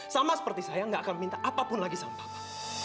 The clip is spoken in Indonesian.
sama seperti saya gak akan minta apapun lagi sama bapak